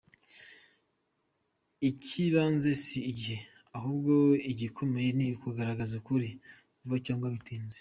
Icy’ibanze si igihe, ahubwo igikomeye ni ukugaragaza ukuri, vuba cyangwa bitinze.